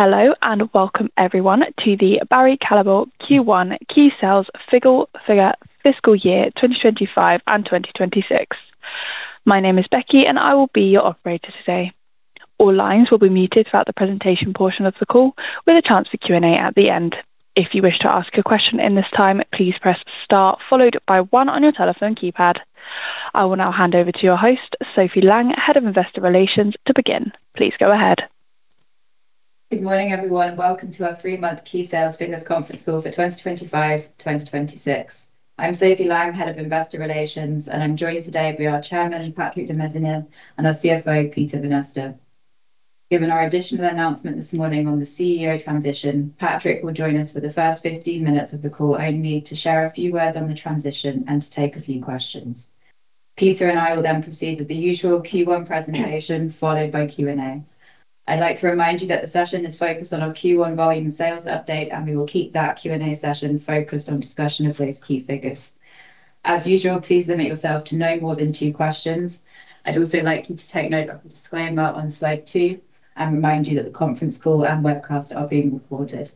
Hello and welcome, everyone, to the Barry Callebaut Q1 Key Sales Figures Fiscal Year 2025 and 2026. My name is Becky, and I will be your operator today. All lines will be muted throughout the presentation portion of the call, with a chance for Q&A at the end. If you wish to ask a question in this time, please press star, followed by one on your telephone keypad. I will now hand over to your host, Sophie Lang, Head of Investor Relations, to begin. Please go ahead. Good morning, everyone, and welcome to our three-month Key Sales Figures Conference Call for 2025-2026. I'm Sophie Lang, Head of Investor Relations, and I'm joined today by our Chairman, Patrick De Maeseneire, and our CFO, Peter Vanneste. Given our additional announcement this morning on the CEO transition, Patrick will join us for the first 15 minutes of the call only to share a few words on the transition and to take a few questions. Peter and I will then proceed with the usual Q1 presentation, followed by Q&A. I'd like to remind you that the session is focused on our Q1 volume sales update, and we will keep that Q&A session focused on discussion of those key figures. As usual, please limit yourself to no more than two questions. I'd also like you to take note of the disclaimer on slide two and remind you that the conference call and webcast are being recorded.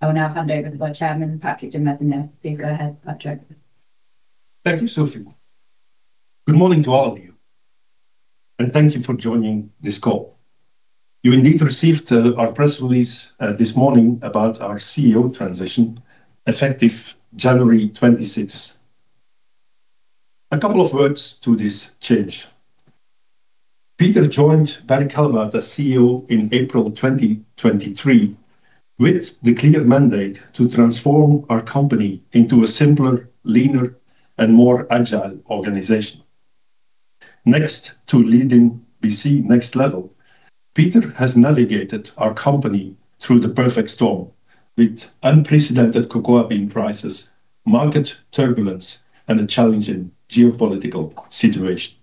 I will now hand over to our Chairman, Patrick De Maeseneire. Please go ahead, Patrick. Thank you, Sophie. Good morning to all of you, and thank you for joining this call. You indeed received our press release this morning about our CEO transition effective January 26. A couple of words to this change. Peter joined Barry Callebaut, our CEO, in April 2023 with the clear mandate to transform our company into a simpler, leaner, and more agile organization. Next to leading BC Next Level, Peter has navigated our company through the perfect storm with unprecedented cocoa bean prices, market turbulence, and a challenging geopolitical situation.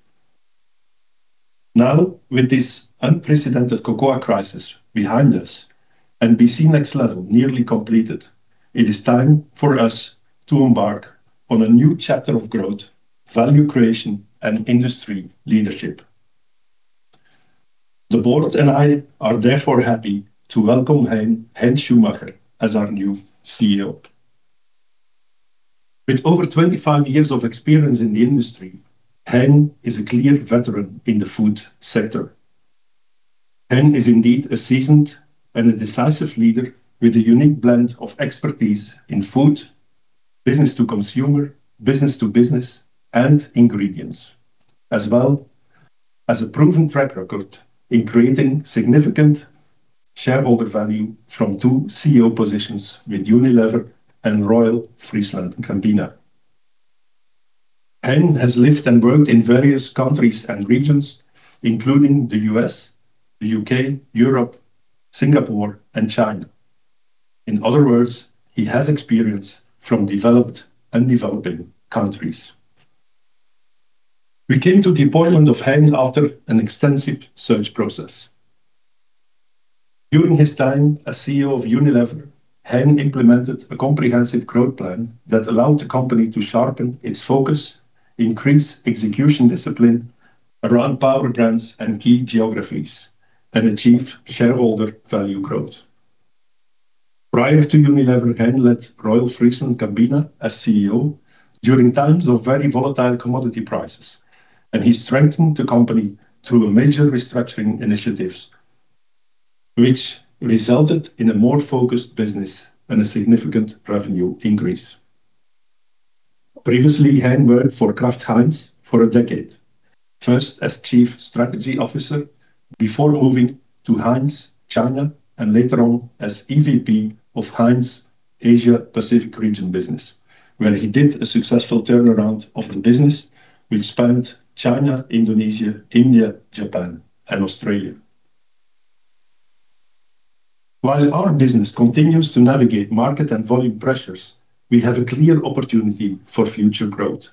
Now, with this unprecedented cocoa crisis behind us and BC Next Level nearly completed, it is time for us to embark on a new chapter of growth, value creation, and industry leadership. The board and I are therefore happy to welcome Hein Schumacher as our new CEO. With over 25 years of experience in the industry, Hein is a clear veteran in the food sector. Hein is indeed a seasoned and decisive leader with a unique blend of expertise in food, business-to-consumer, business-to-business, and ingredients, as well as a proven track record in creating significant shareholder value from two CEO positions with Unilever and Royal FrieslandCampina. Hein has lived and worked in various countries and regions, including the U.S., the U.K., Europe, Singapore, and China. In other words, he has experience from developed and developing countries. We came to the appointment of Hein after an extensive search process. During his time as CEO of Unilever, Hein implemented a comprehensive growth plan that allowed the company to sharpen its focus, increase execution discipline around power brands and key geographies, and achieve shareholder value growth. Prior to Unilever, Hein led Royal FrieslandCampina as CEO during times of very volatile commodity prices, and he strengthened the company through major restructuring initiatives, which resulted in a more focused business and a significant revenue increase. Previously, Hein worked for Kraft Heinz for a decade, first as Chief Strategy Officer before moving to Heinz China, and later on as EVP of Heinz Asia-Pacific Region Business, where he did a successful turnaround of the business, which spanned China, Indonesia, India, Japan, and Australia. While our business continues to navigate market and volume pressures, we have a clear opportunity for future growth.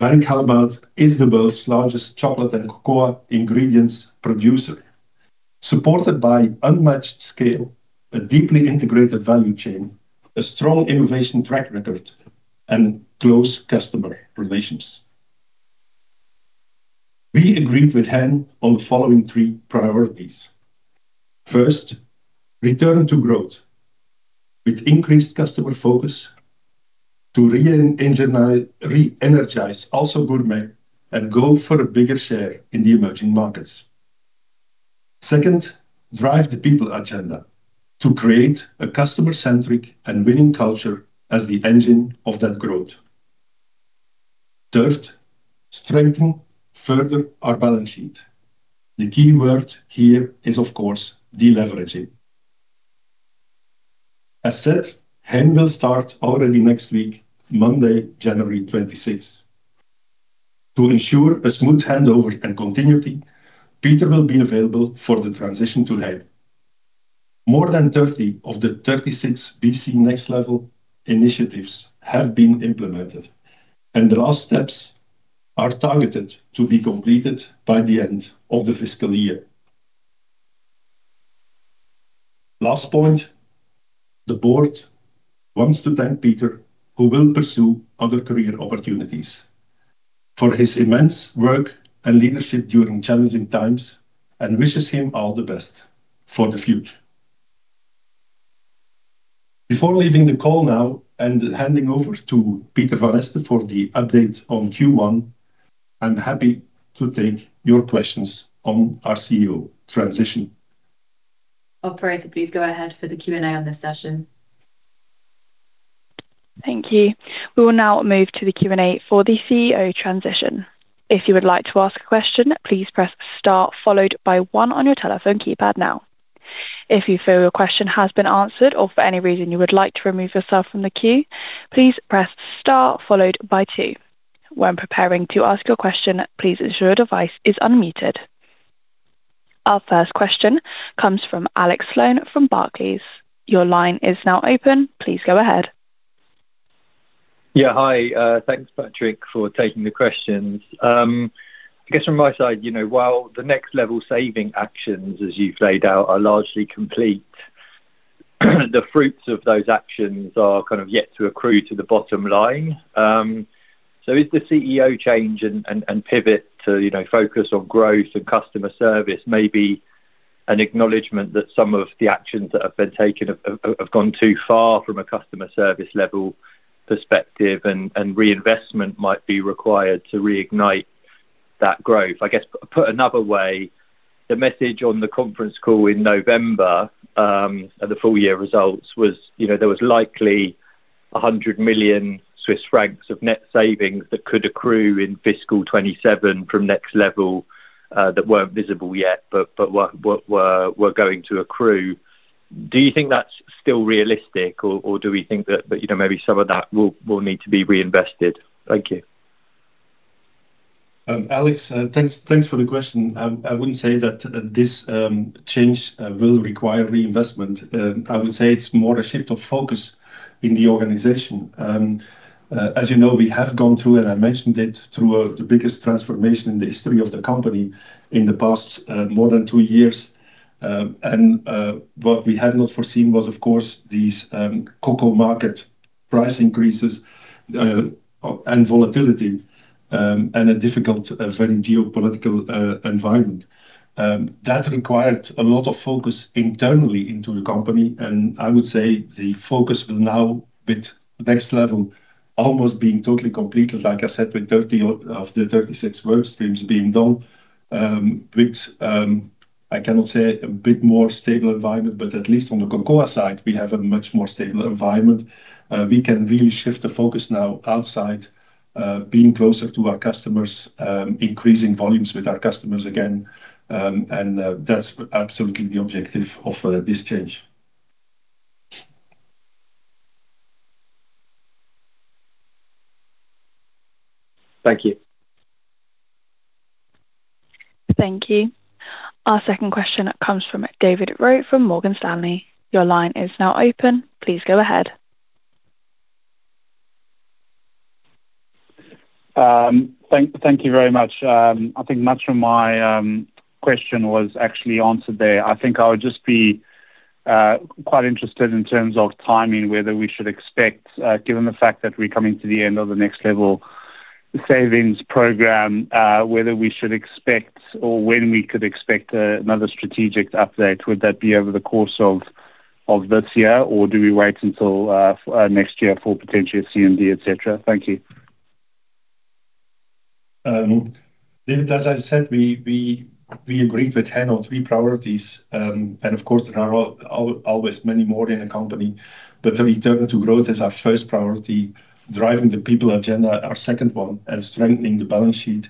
Barry Callebaut is the world's largest chocolate and cocoa ingredients producer, supported by unmatched scale, a deeply integrated value chain, a strong innovation track record, and close customer relations. We agreed with Hein on the following three priorities. First, return to growth with increased customer focus to re-energize also Gourmet and go for a bigger share in the emerging markets. Second, drive the people agenda to create a customer-centric and winning culture as the engine of that growth. Third, strengthen further our balance sheet. The key word here is, of course, deleveraging. As said, Hein will start already next week, Monday, January 26. To ensure a smooth handover and continuity, Peter will be available for the transition to Hein. More than 30 of the 36 BC Next Level initiatives have been implemented, and the last steps are targeted to be completed by the end of the fiscal year. Last point, the board wants to thank Peter, who will pursue other career opportunities for his immense work and leadership during challenging times, and wishes him all the best for the future. Before leaving the call now and handing over to Peter Vanneste for the update on Q1, I'm happy to take your questions on our CEO transition. Operator, please go ahead for the Q&A on this session. Thank you. We will now move to the Q&A for the CEO transition. If you would like to ask a question, please press star, followed by one on your telephone keypad now. If you feel your question has been answered or for any reason you would like to remove yourself from the queue, please press star, followed by two. When preparing to ask your question, please ensure your device is unmuted. Our first question comes from Alex Sloane from Barclays. Your line is now open. Please go ahead. Yeah, hi. Thanks, Patrick, for taking the questions. I guess from my side, you know, while the next-level saving actions, as you've laid out, are largely complete, the fruits of those actions are kind of yet to accrue to the bottom line. So is the CEO change and pivot to focus on growth and customer service maybe an acknowledgment that some of the actions that have been taken have gone too far from a customer service level perspective, and reinvestment might be required to reignite that growth? I guess, put another way, the message on the conference call in November at the full-year results was, you know, there was likely 100 million Swiss francs of net savings that could accrue in fiscal 2027 from Next Level that weren't visible yet but were going to accrue. Do you think that's still realistic, or do we think that, you know, maybe some of that will need to be reinvested? Thank you. Alex, thanks for the question. I wouldn't say that this change will require reinvestment. I would say it's more a shift of focus in the organization. As you know, we have gone through, and I mentioned it, through the biggest transformation in the history of the company in the past more than two years, and what we had not foreseen was, of course, these cocoa market price increases and volatility and a difficult, very geopolitical environment. That required a lot of focus internally into the company, and I would say the focus will now, with Next Level, almost being totally completed, like I said, with 30 of the 36 work streams being done, with, I cannot say, a bit more stable environment, but at least on the cocoa side, we have a much more stable environment. We can really shift the focus now outside, being closer to our customers, increasing volumes with our customers again, and that's absolutely the objective of this change. Thank you. Thank you. Our second question comes from David Roux from Morgan Stanley. Your line is now open. Please go ahead. Thank you very much. I think much of my question was actually answered there. I think I would just be quite interested in terms of timing, whether we should expect, given the fact that we're coming to the end of the Next Level savings program, whether we should expect or when we could expect another strategic update. Would that be over the course of this year, or do we wait until next year for potentially a CMD, et cetera? Thank you. David, as I said, we agreed with Hein on three priorities, and of course, there are always many more in the company, but the return to growth is our first priority, driving the people agenda our second one, and strengthening the balance sheet.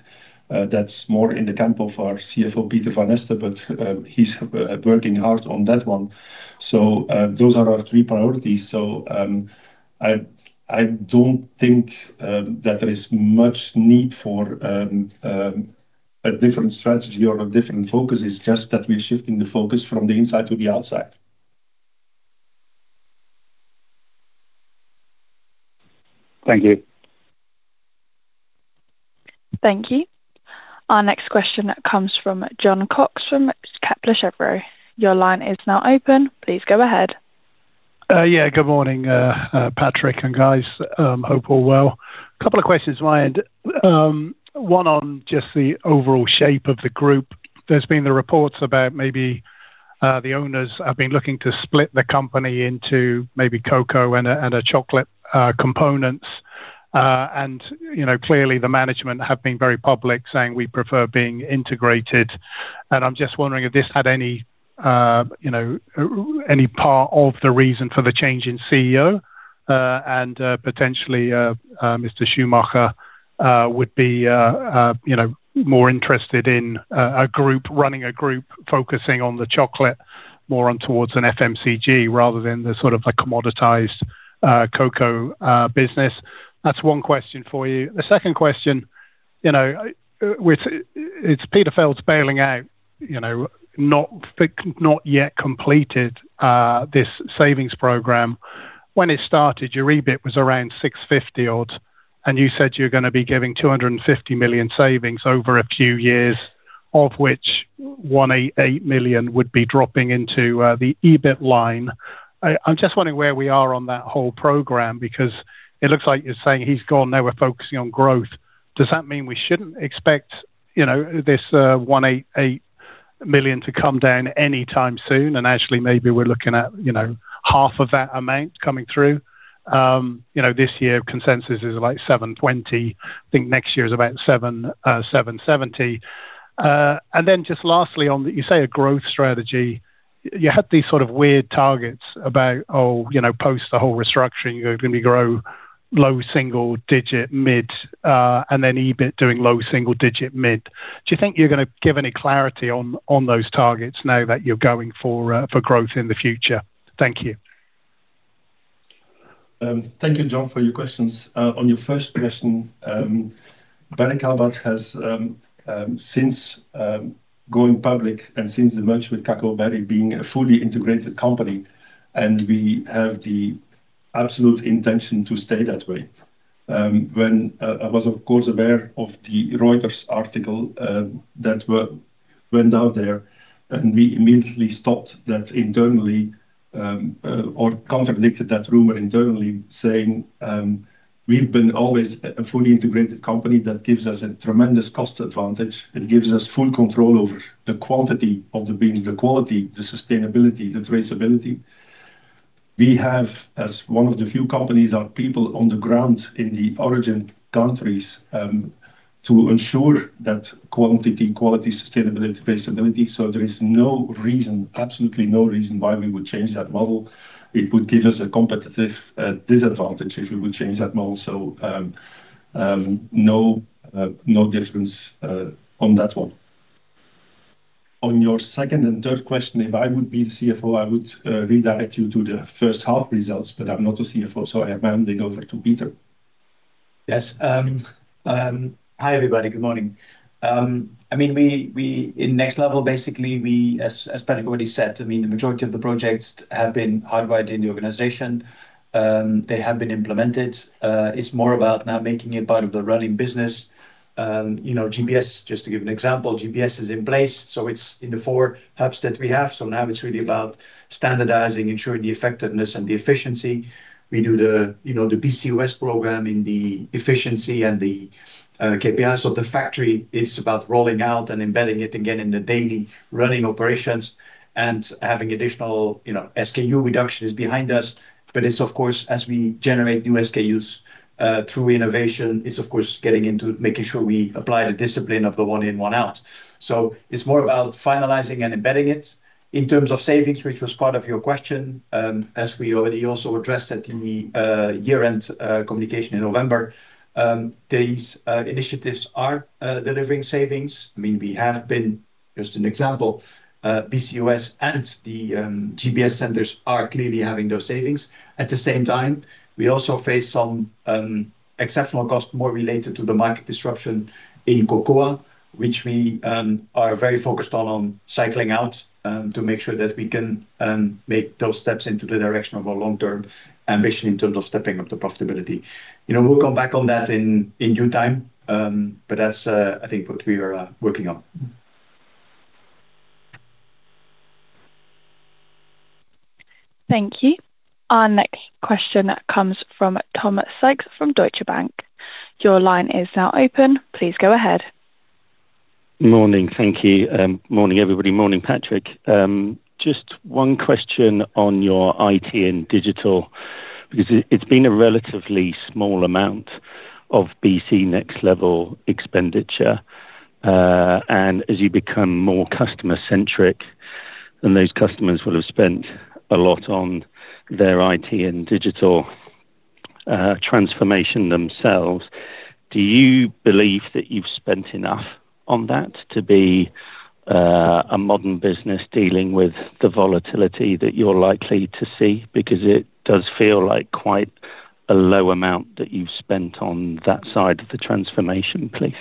That's more in the camp of our CFO, Peter Vanneste, but he's working hard on that one. So those are our three priorities. So I don't think that there is much need for a different strategy or a different focus. It's just that we're shifting the focus from the inside to the outside. Thank you. Thank you. Our next question comes from Jon Cox from Kepler Cheuvreux. Your line is now open. Please go ahead. Yeah, good morning, Patrick, and guys. Hope all well. A couple of questions of my end. One on just the overall shape of the group. There's been the reports about maybe the owners have been looking to split the company into maybe cocoa and chocolate components. And clearly, the management have been very public saying we prefer being integrated. And I'm just wondering if this had any part of the reason for the change in CEO, and potentially Mr. Schumacher would be more interested in a group running a group focusing on the chocolate more on towards an FMCG rather than the sort of commoditized cocoa business. That's one question for you. The second question, you know, it's Peter Feld's bailing out, you know, not yet completed this savings program. When it started, your EBIT was around 650 million odd, and you said you're going to be giving 250 million savings over a few years, of which 188 million would be dropping into the EBIT line. I'm just wondering where we are on that whole program because it looks like you're saying he's gone. Now we're focusing on growth. Does that mean we shouldn't expect, you know, this 188 million to come down anytime soon? And actually, maybe we're looking at, you know, half of that amount coming through. You know, this year consensus is like 720 million. I think next year is about 770 million. And then just lastly, on that, you say a growth strategy. You had these sort of weird targets about, oh, you know, post the whole restructuring, you're going to grow low single digit mid, and then EBIT doing low single digit mid. Do you think you're going to give any clarity on those targets now that you're going for growth in the future? Thank you. Thank you, Jon, for your questions. On your first question, Barry Callebaut has since going public and since the merger with Cacao Barry being a fully integrated company, and we have the absolute intention to stay that way. When I was, of course, aware of the Reuters article that went out there, and we immediately stopped that internally or contradicted that rumor internally saying we've been always a fully integrated company that gives us a tremendous cost advantage. It gives us full control over the quantity of the beans, the quality, the sustainability, the traceability. We have, as one of the few companies, our people on the ground in the origin countries to ensure that quantity, quality, sustainability, traceability. So there is no reason, absolutely no reason why we would change that model. It would give us a competitive disadvantage if we would change that model. So no difference on that one. On your second and third question, if I would be the CFO, I would redirect you to the first half results, but I'm not a CFO, so I am handing over to Peter. Yes. Hi, everybody. Good morning. I mean, in Next Level, basically, as Patrick already said, I mean, the majority of the projects have been hardwired in the organization. They have been implemented. It's more about now making it part of the running business. You know, GBS, just to give an example, GBS is in place, so it's in the four hubs that we have. So now it's really about standardizing, ensuring the effectiveness and the efficiency. We do the BCOS program in the efficiency and the KPIs. So the factory is about rolling out and embedding it again in the daily running operations and having additional SKU reductions behind us. But it's, of course, as we generate new SKUs through innovation, it's, of course, getting into making sure we apply the discipline of the one in, one out. So it's more about finalizing and embedding it. In terms of savings, which was part of your question, as we already also addressed at the year-end communication in November, these initiatives are delivering savings. I mean, we have been, just an example, BCOS and the GBS centers are clearly having those savings. At the same time, we also face some exceptional costs more related to the market disruption in cocoa, which we are very focused on cycling out to make sure that we can make those steps into the direction of our long-term ambition in terms of stepping up the profitability. You know, we'll come back on that in due time, but that's, I think, what we are working on. Thank you. Our next question comes from Tom Sykes from Deutsche Bank. Your line is now open. Please go ahead. Morning. Thank you. Morning, everybody. Morning, Patrick. Just one question on your IT and digital, because it's been a relatively small amount of BC Next Level expenditure. And as you become more customer-centric, and those customers will have spent a lot on their IT and digital transformation themselves, do you believe that you've spent enough on that to be a modern business dealing with the volatility that you're likely to see? Because it does feel like quite a low amount that you've spent on that side of the transformation, please.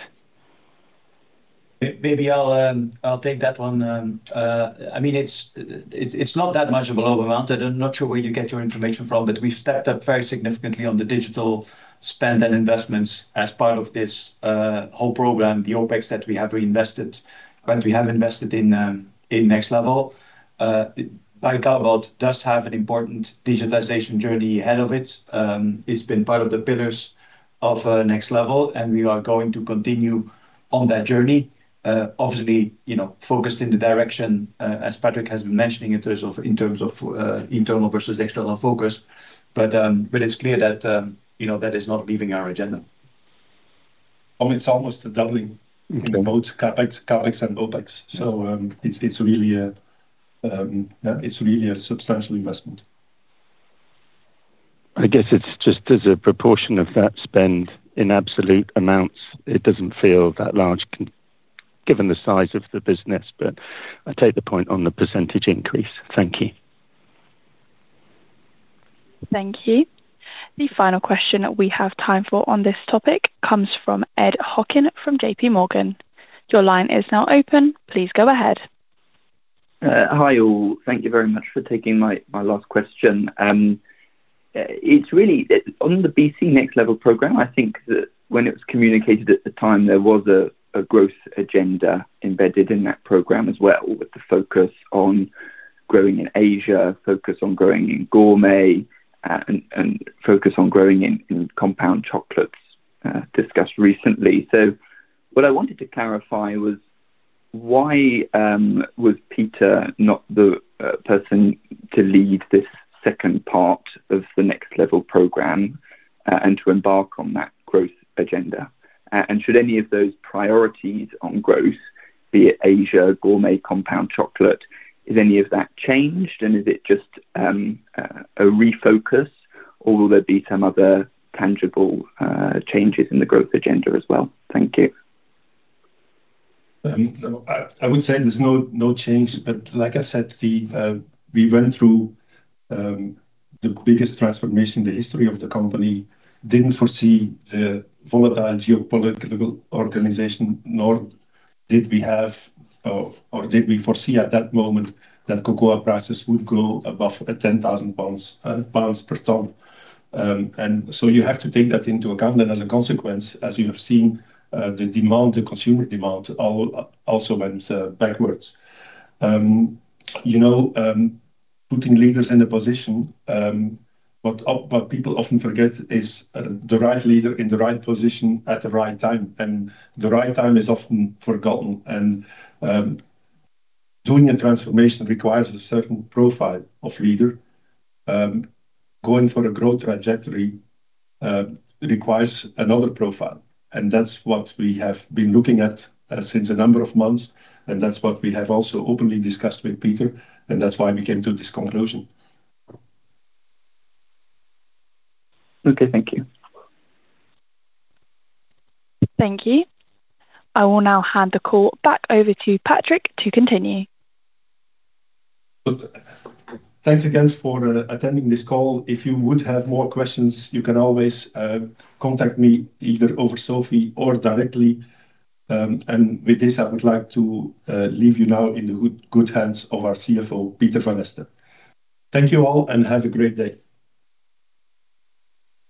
Maybe I'll take that one. I mean, it's not that much of a low amount. I'm not sure where you get your information from, but we've stepped up very significantly on the digital spend and investments as part of this whole program, the OPEX that we have reinvested, but we have invested in Next Level. Barry Callebaut does have an important digitization journey ahead of it. It's been part of the pillars of Next Level, and we are going to continue on that journey, obviously, you know, focused in the direction, as Patrick has been mentioning, in terms of internal versus external focus. But it's clear that, you know, that is not leaving our agenda. It's almost doubling in both CapEx and OpEx. So it's really a substantial investment. I guess it's just as a proportion of that spend in absolute amounts, it doesn't feel that large given the size of the business, but I take the point on the percentage increase. Thank you. Thank you. The final question that we have time for on this topic comes from Ed Hockin from JPMorgan. Your line is now open. Please go ahead. Hi, all. Thank you very much for taking my last question. It's really on the BC Next Level program. I think that when it was communicated at the time, there was a growth agenda embedded in that program as well, with the focus on growing in Asia, focus on growing in gourmet, and focus on growing in compound chocolates discussed recently. So what I wanted to clarify was why was Peter not the person to lead this second part of the Next Level program and to embark on that growth agenda? And should any of those priorities on growth, be it Asia, gourmet, compound chocolate, is any of that changed? And is it just a refocus, or will there be some other tangible changes in the growth agenda as well? Thank you. I would say there's no change, but like I said, we went through the biggest transformation in the history of the company. Didn't foresee the volatile geopolitical organization, nor did we have, or did we foresee at that moment that cocoa prices would grow above 10,000 pounds per ton. And so you have to take that into account. And as a consequence, as you have seen, the demand, the consumer demand also went backwards. You know, putting leaders in a position, what people often forget is the right leader in the right position at the right time. And the right time is often forgotten. And doing a transformation requires a certain profile of leader. Going for a growth trajectory requires another profile. And that's what we have been looking at since a number of months. And that's what we have also openly discussed with Peter. That's why we came to this conclusion. Okay, thank you. Thank you. I will now hand the call back over to Patrick to continue. Thanks again for attending this call. If you would have more questions, you can always contact me either over Sophie or directly, and with this, I would like to leave you now in the good hands of our CFO, Peter Vanneste. Thank you all, and have a great day.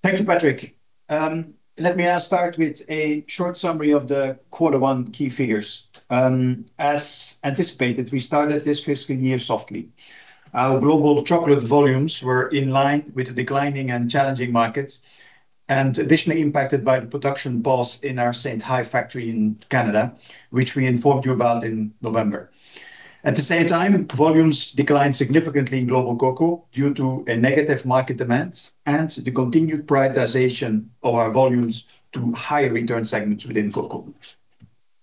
Thank you, Patrick. Let me start with a short summary of the quarter one key figures. As anticipated, we started this fiscal year softly. Our global chocolate volumes were in line with the declining and challenging markets, and additionally impacted by the production pause in our Saint-Hyacinthe factory in Canada, which we informed you about in November. At the same time, volumes declined significantly in global cocoa due to negative market demands and the continued prioritization of our volumes to higher return segments within cocoa.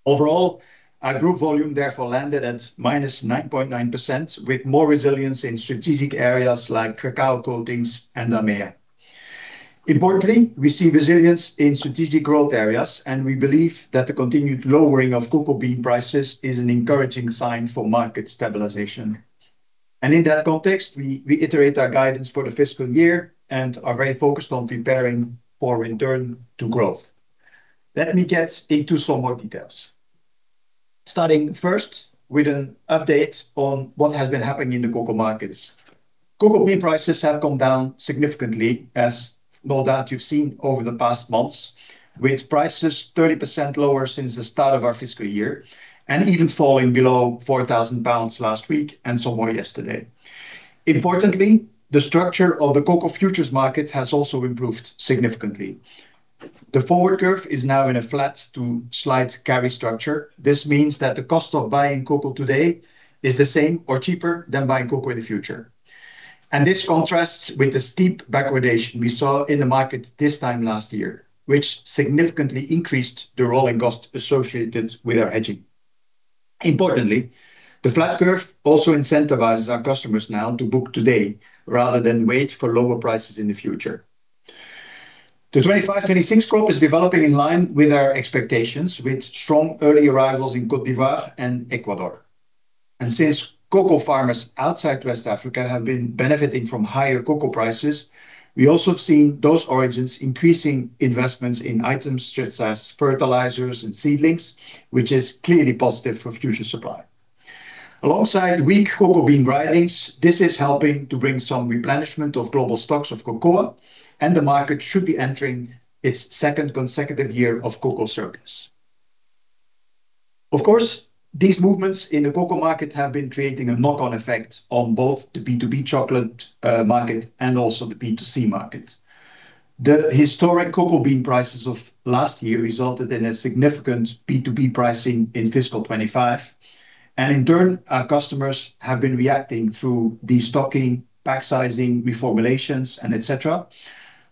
Overall, our group volume therefore landed at -9.9%, with more resilience in strategic areas like Cacao Coatings and AMEA. Importantly, we see resilience in strategic growth areas, and we believe that the continued lowering of cocoa bean prices is an encouraging sign for market stabilization. In that context, we reiterate our guidance for the fiscal year and are very focused on preparing for return to growth. Let me get into some more details, starting first with an update on what has been happening in the cocoa markets. Cocoa bean prices have come down significantly, as no doubt you've seen over the past months, with prices 30% lower since the start of our fiscal year and even falling below 4,000 pounds last week and some more yesterday. Importantly, the structure of the cocoa futures market has also improved significantly. The forward curve is now in a flat to slight carry structure. This means that the cost of buying cocoa today is the same or cheaper than buying cocoa in the future. This contrasts with the steep backwardation we saw in the market this time last year, which significantly increased the rolling cost associated with our hedging. Importantly, the flat curve also incentivizes our customers now to book today rather than wait for lower prices in the future. The 2025/26 crop is developing in line with our expectations, with strong early arrivals in Côte d'Ivoire and Ecuador. Since cocoa farmers outside West Africa have been benefiting from higher cocoa prices, we also have seen those origins increasing investments in items such as fertilizers and seedlings, which is clearly positive for future supply. Alongside weak cocoa bean grindings, this is helping to bring some replenishment of global stocks of cocoa, and the market should be entering its second consecutive year of cocoa surplus. Of course, these movements in the cocoa market have been creating a knock-on effect on both the B2B chocolate market and also the B2C market. The historic cocoa bean prices of last year resulted in a significant B2B pricing in fiscal 2025, and in turn, our customers have been reacting through destocking, pack sizing, reformulations, and et cetera,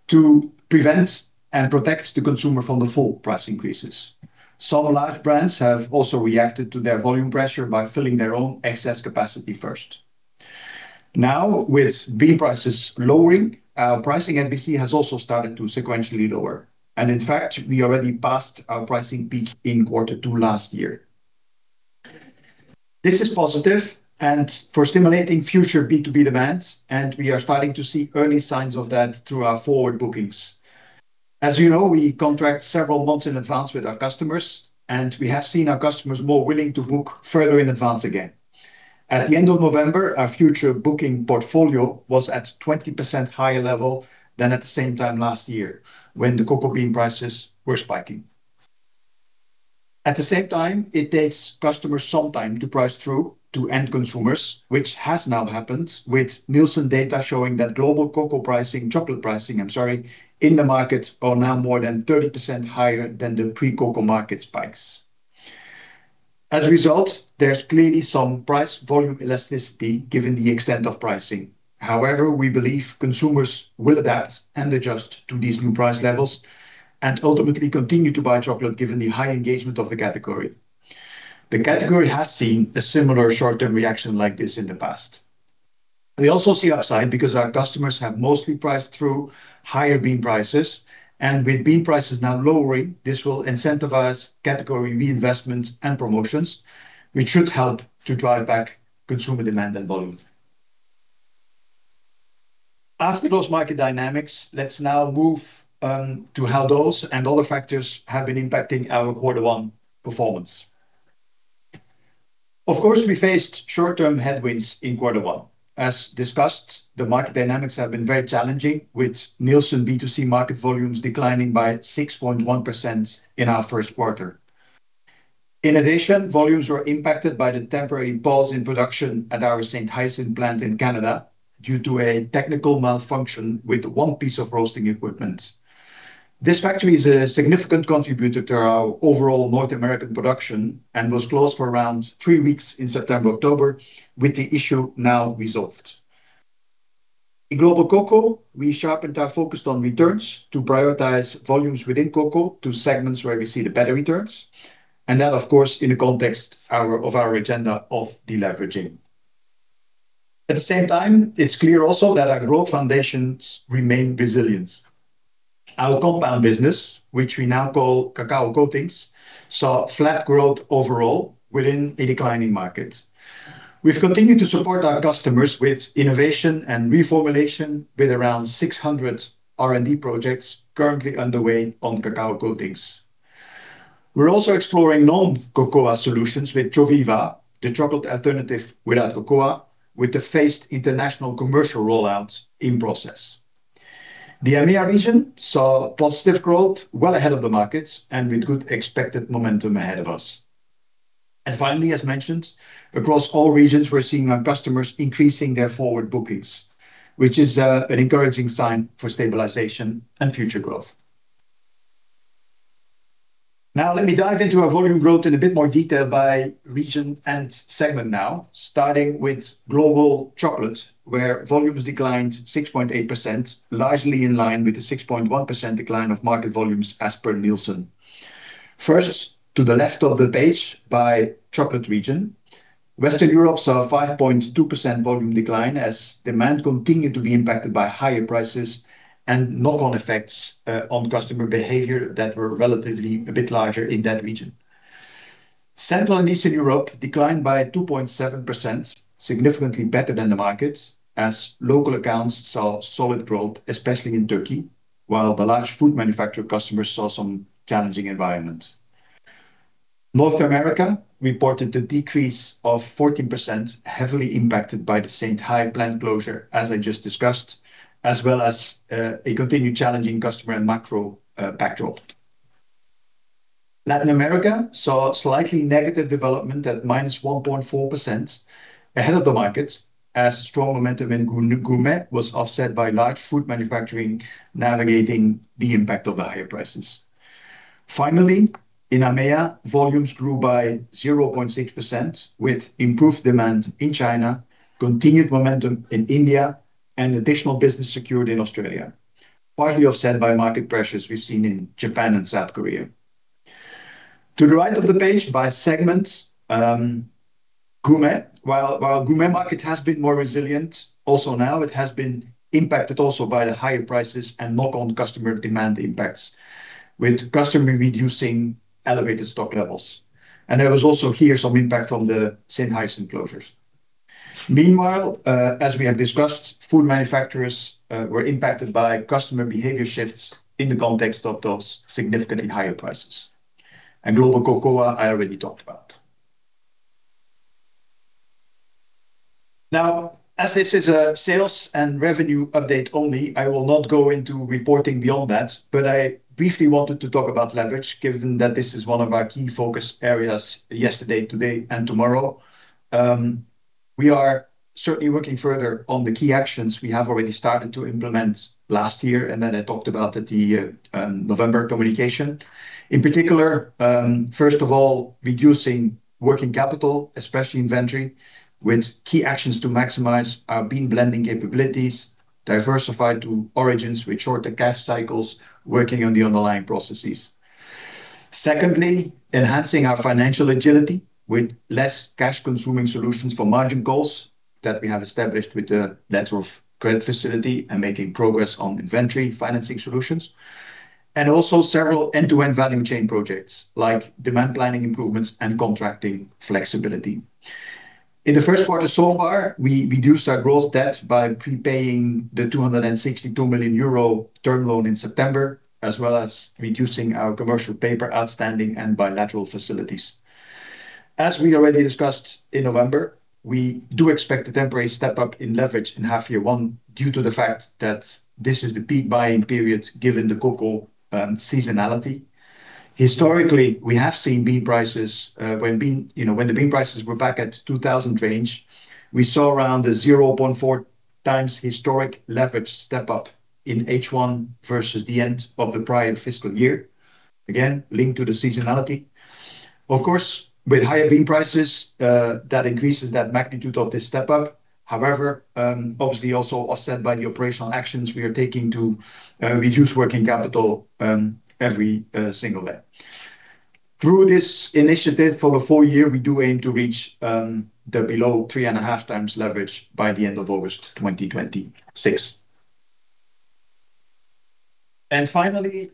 to prevent and protect the consumer from the full price increases. Some large brands have also reacted to their volume pressure by filling their own excess capacity first. Now, with bean prices lowering, our pricing at BC has also started to sequentially lower, and in fact, we already passed our pricing peak in quarter two last year. This is positive and for stimulating future B2B demands, and we are starting to see early signs of that through our forward bookings. As you know, we contract several months in advance with our customers, and we have seen our customers more willing to book further in advance again. At the end of November, our future booking portfolio was at 20% higher level than at the same time last year when the cocoa bean prices were spiking. At the same time, it takes customers some time to price through to end consumers, which has now happened with Nielsen data showing that global cocoa pricing, chocolate pricing, I'm sorry, in the market are now more than 30% higher than the pre-cocoa market spikes. As a result, there's clearly some price volume elasticity given the extent of pricing. However, we believe consumers will adapt and adjust to these new price levels and ultimately continue to buy chocolate given the high engagement of the category. The category has seen a similar short-term reaction like this in the past. We also see upside because our customers have mostly priced through higher bean prices, and with bean prices now lowering, this will incentivize category reinvestments and promotions, which should help to drive back consumer demand and volume. After those market dynamics, let's now move to how those and other factors have been impacting our quarter one performance. Of course, we faced short-term headwinds in quarter one. As discussed, the market dynamics have been very challenging, with Nielsen B2C market volumes declining by 6.1% in our first quarter. In addition, volumes were impacted by the temporary pause in production at our Saint-Hyacinthe plant in Canada due to a technical malfunction with one piece of roasting equipment. This factory is a significant contributor to our overall North American production and was closed for around three weeks in September-October, with the issue now resolved. In global cocoa, we sharpened our focus on returns to prioritize volumes within cocoa to segments where we see the better returns, and that, of course, in the context of our agenda of deleveraging. At the same time, it's clear also that our growth foundations remain resilient. Our compound business, which we now call Cacao Coatings, saw flat growth overall within a declining market. We've continued to support our customers with innovation and reformulation, with around 600 R&D projects currently underway on Cacao Coatings. We're also exploring non-cocoa solutions with ChoViva, the chocolate alternative without cocoa, with the phased international commercial rollout in process. The AMEA region saw positive growth well ahead of the markets and with good expected momentum ahead of us. Finally, as mentioned, across all regions, we're seeing our customers increasing their forward bookings, which is an encouraging sign for stabilization and future growth. Now, let me dive into our volume growth in a bit more detail by region and segment now, starting with global chocolate, where volumes declined 6.8%, largely in line with the 6.1% decline of market volumes as per Nielsen. First, to the left of the page by chocolate region, Western Europe saw a 5.2% volume decline as demand continued to be impacted by higher prices and knock-on effects on customer behavior that were relatively a bit larger in that region. Central and Eastern Europe declined by 2.7%, significantly better than the markets, as local accounts saw solid growth, especially in Turkey, while the large food manufacturer customers saw some challenging environment. North America reported a decrease of 14%, heavily impacted by the St. Hyacinthe plant closure, as I just discussed, as well as a continued challenging customer and macro backdrop. Latin America saw slightly negative development at -1.4% ahead of the markets, as strong momentum in gourmet was offset by large food manufacturing navigating the impact of the higher prices. Finally, in APAC, volumes grew by 0.6%, with improved demand in China, continued momentum in India, and additional business secured in Australia, partly offset by market pressures we've seen in Japan and South Korea. To the right of the page by segment, gourmet, while the gourmet market has been more resilient, also now it has been impacted also by the higher prices and knock-on customer demand impacts, with customer reducing elevated stock levels, and there was also here some impact from the St. Hyacinthe closures. Meanwhile, as we have discussed, food manufacturers were impacted by customer behavior shifts in the context of those significantly higher prices, and global cocoa I already talked about. Now, as this is a sales and revenue update only, I will not go into reporting beyond that, but I briefly wanted to talk about leverage, given that this is one of our key focus areas yesterday, today, and tomorrow. We are certainly working further on the key actions we have already started to implement last year, and then I talked about the November communication. In particular, first of all, reducing working capital, especially inventory, with key actions to maximize our bean blending capabilities, diversify to origins with shorter cash cycles, working on the underlying processes. Secondly, enhancing our financial agility with less cash-consuming solutions for margin goals that we have established with the network credit facility and making progress on inventory financing solutions, and also several end-to-end value chain projects like demand planning improvements and contracting flexibility. In the first quarter so far, we reduced our gross debt by prepaying the 262 million euro term loan in September, as well as reducing our commercial paper outstanding and bilateral facilities. As we already discussed in November, we do expect a temporary step up in leverage in half year one due to the fact that this is the peak buying period given the cocoa seasonality. Historically, we have seen bean prices, you know, when the bean prices were back at 2000 range. We saw around a 0.4 times historic leverage step up in H1 versus the end of the prior fiscal year, again linked to the seasonality. Of course, with higher bean prices, that increases that magnitude of this step up. However, obviously also offset by the operational actions we are taking to reduce working capital every single day. Through this initiative for the full year, we do aim to reach below three and a half times leverage by the end of August 2026. And finally,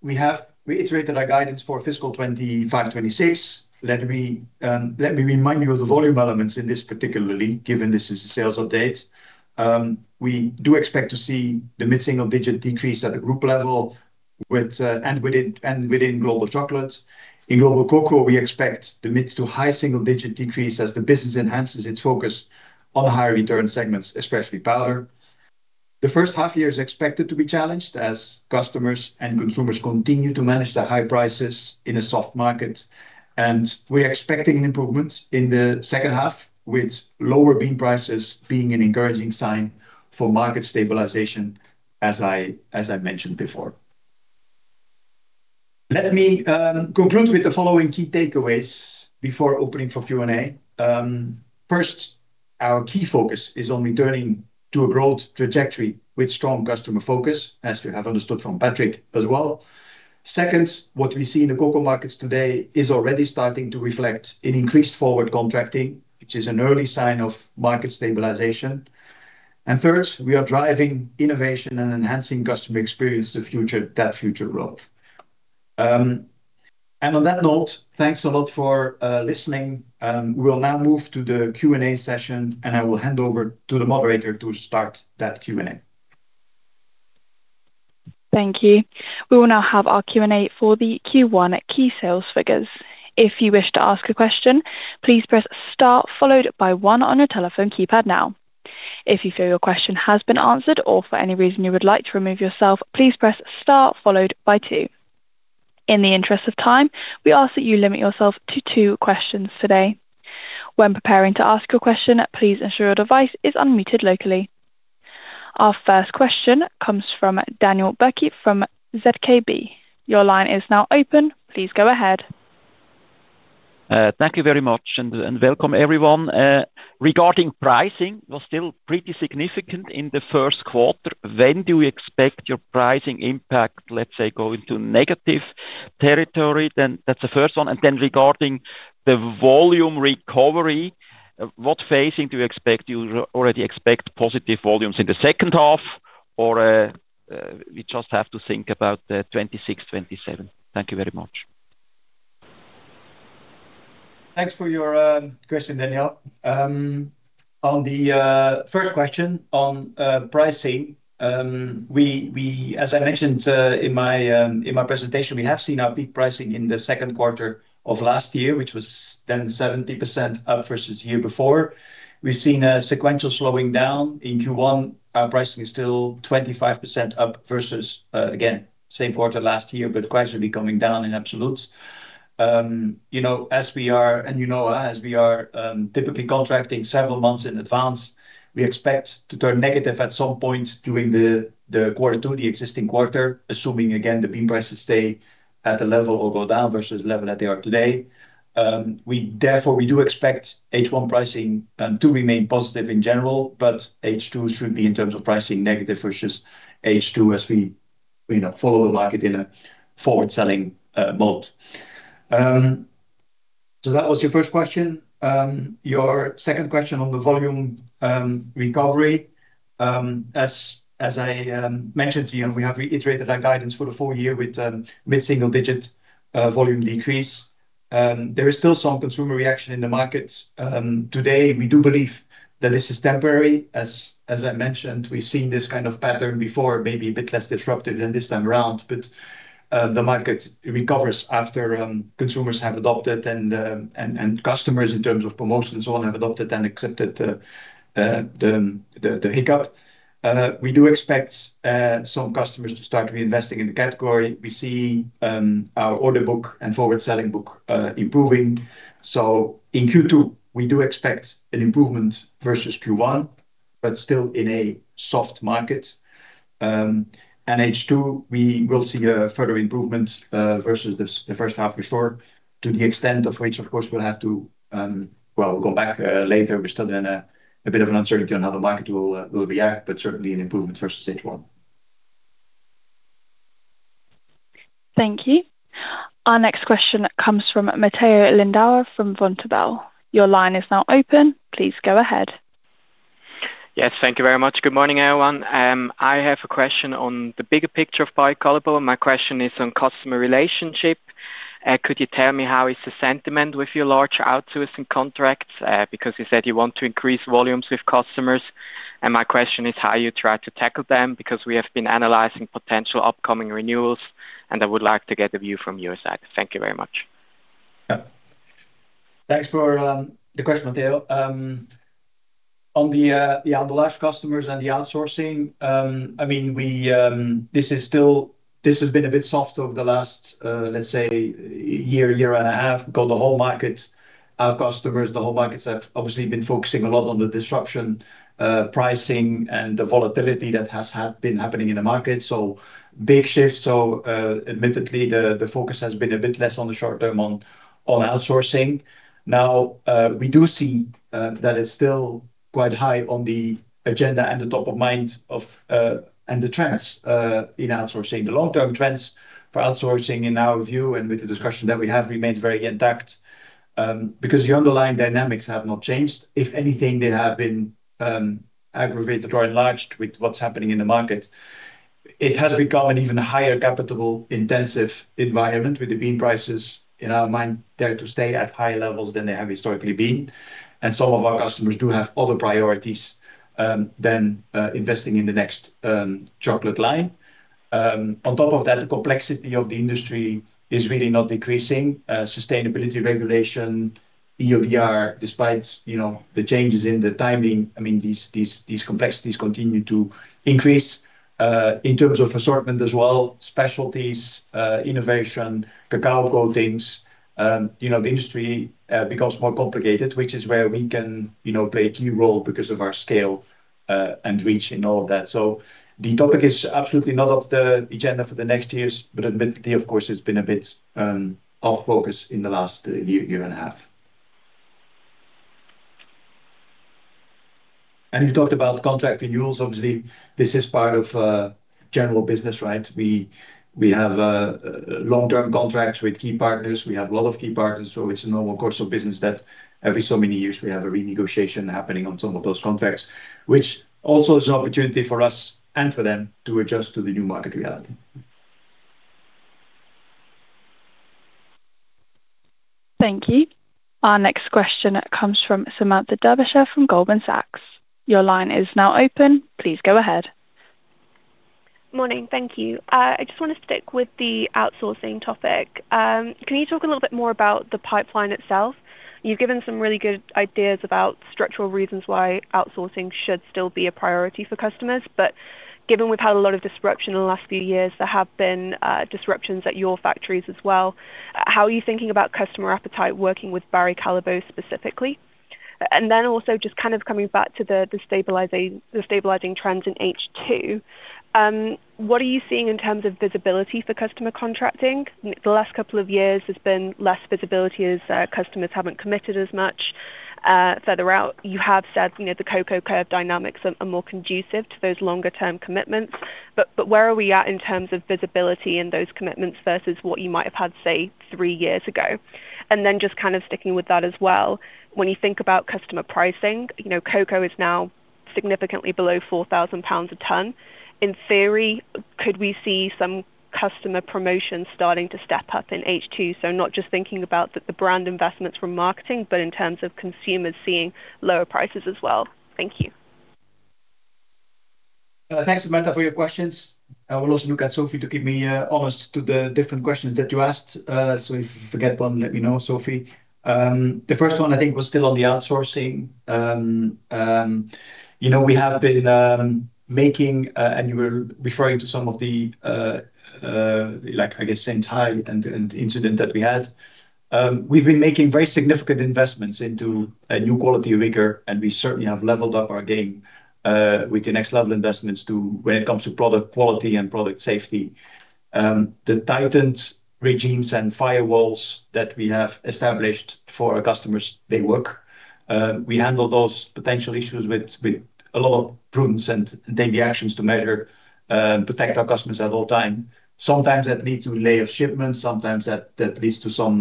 we have reiterated our guidance for fiscal 25/26. Let me remind you of the volume elements in this particularly, given this is a sales update. We do expect to see the mid-single digit decrease at the group level within global chocolate. In global cocoa, we expect the mid- to high-single-digit decrease as the business enhances its focus on higher return segments, especially powder. The first half year is expected to be challenged as customers and consumers continue to manage the high prices in a soft market, and we're expecting improvements in the second half, with lower bean prices being an encouraging sign for market stabilization, as I mentioned before. Let me conclude with the following key takeaways before opening for Q&A. First, our key focus is on returning to a growth trajectory with strong customer focus, as you have understood from Patrick as well. Second, what we see in the cocoa markets today is already starting to reflect in increased forward contracting, which is an early sign of market stabilization. and third, we are driving innovation and enhancing customer experience to further that future growth. On that note, thanks a lot for listening. We will now move to the Q&A session, and I will hand over to the moderator to start that Q&A. Thank you. We will now have our Q&A for the Q1 key sales figures. If you wish to ask a question, please press star followed by one on your telephone keypad now. If you feel your question has been answered or for any reason you would like to remove yourself, please press star followed by two. In the interest of time, we ask that you limit yourself to two questions today. When preparing to ask your question, please ensure your device is unmuted locally. Our first question comes from Daniel Bürki from ZKB. Your line is now open. Please go ahead. Thank you very much and welcome everyone. Regarding pricing, it was still pretty significant in the first quarter. When do we expect your pricing impact, let's say, go into negative territory? Then that's the first one. And then regarding the volume recovery, what phasing do you expect? Do you already expect positive volumes in the second half, or we just have to think about the 2026, 2027? Thank you very much. Thanks for your question, Daniel. On the first question on pricing, as I mentioned in my presentation, we have seen our peak pricing in the second quarter of last year, which was then 70% up versus the year before. We've seen a sequential slowing down in Q1. Our pricing is still 25% up versus, again, same quarter last year, but prices will be coming down in absolutes. You know, as we are typically contracting several months in advance, we expect to turn negative at some point during quarter two, the existing quarter, assuming again the bean prices stay at the level or go down versus the level that they are today. Therefore, we do expect H1 pricing to remain positive in general, but H2 should be in terms of pricing negative versus H2 as we, you know, follow the market in a forward selling mode. So that was your first question. Your second question on the volume recovery, as I mentioned to you, we have reiterated our guidance for the full year with mid-single digit volume decrease. There is still some consumer reaction in the market today. We do believe that this is temporary. As I mentioned, we've seen this kind of pattern before, maybe a bit less disruptive than this time around, but the market recovers after consumers have adopted and customers in terms of promotions and so on have adopted and accepted the hiccup. We do expect some customers to start reinvesting in the category. We see our order book and forward selling book improving. So in Q2, we do expect an improvement versus Q1, but still in a soft market. And H2, we will see a further improvement versus the first half for sure. To the extent of which, of course, we'll have to, well, we'll go back later. We're still in a bit of uncertainty on how the market will react, but certainly an improvement versus H1. Thank you. Our next question comes from Matteo Lindauer from Vontobel. Your line is now open. Please go ahead. Yes, thank you very much. Good morning, everyone. I have a question on the bigger picture of Barry Callebaut. My question is on customer relationship. Could you tell me how is the sentiment with your large outsourcing contracts? Because you said you want to increase volumes with customers. And my question is how you try to tackle them because we have been analyzing potential upcoming renewals, and I would like to get a view from your side. Thank you very much. Yeah. Thanks for the question, Mateo. On the large customers and the outsourcing, I mean, this has been a bit soft over the last, let's say, year, year and a half across the whole market, our customers. The whole markets have obviously been focusing a lot on the disruption pricing and the volatility that has been happening in the market. So big shifts. So, admittedly, the focus has been a bit less on the short term on outsourcing. Now, we do see that it's still quite high on the agenda and the top of mind and the trends in outsourcing. The long-term trends for outsourcing in our view and with the discussion that we have remained very intact because the underlying dynamics have not changed. If anything, they have been aggravated or enlarged with what's happening in the market. It has become an even higher capital intensive environment with the bean prices in our mind there to stay at higher levels than they have historically been. And some of our customers do have other priorities than investing in the next chocolate line. On top of that, the complexity of the industry is really not decreasing. Sustainability regulation, EUDR, despite the changes in the timing, I mean, these complexities continue to increase in terms of assortment as well. Specialties, innovation, cacao coatings, the industry becomes more complicated, which is where we can play a key role because of our scale and reach and all of that, so the topic is absolutely not off the agenda for the next years, but admittedly, of course, it's been a bit off focus in the last year and a half, and you've talked about contract renewals. Obviously, this is part of general business, right? We have long-term contracts with key partners. We have a lot of key partners. So it's a normal course of business that every so many years we have a renegotiation happening on some of those contracts, which also is an opportunity for us and for them to adjust to the new market reality. Thank you. Our next question comes from Samantha Darbyshire from Goldman Sachs. Your line is now open. Please go ahead. Morning. Thank you. I just want to stick with the outsourcing topic. Can you talk a little bit more about the pipeline itself? You've given some really good ideas about structural reasons why outsourcing should still be a priority for customers. But given we've had a lot of disruption in the last few years, there have been disruptions at your factories as well. How are you thinking about customer appetite working with Barry Callebaut specifically? And then also just kind of coming back to the stabilizing trends in H2, what are you seeing in terms of visibility for customer contracting? The last couple of years there's been less visibility as customers haven't committed as much further out. You have said the cocoa curve dynamics are more conducive to those longer-term commitments. But where are we at in terms of visibility in those commitments versus what you might have had, say, three years ago? And then just kind of sticking with that as well, when you think about customer pricing, cocoa is now significantly below 4,000 pounds a ton. In theory, could we see some customer promotion starting to step up in H2? So not just thinking about the brand investments from marketing, but in terms of consumers seeing lower prices as well. Thank you. Thanks, Samantha, for your questions. I will also look at Sophie to give me answers to the different questions that you asked. So if you forget one, let me know, Sophie. The first one, I think, was still on the outsourcing. We have been making, and you were referring to some of the, I guess, same type of incident that we had. We've been making very significant investments into a new quality rigor, and we certainly have leveled up our game with the Next Level investments when it comes to product quality and product safety. The tightened regimes and firewalls that we have established for our customers, they work. We handle those potential issues with a lot of prudence and take the actions to measure, protect our customers at all times. Sometimes that lead to layered shipments. Sometimes that leads to some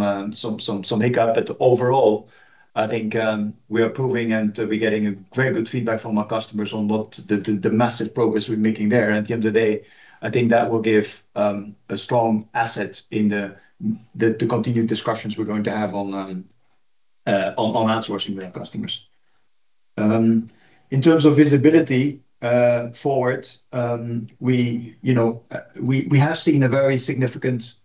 hiccup. But overall, I think we are proving and we're getting very good feedback from our customers on the massive progress we're making there. At the end of the day, I think that will give a strong asset in the continued discussions we're going to have on outsourcing with our customers. In terms of visibility forward, we have seen a very significant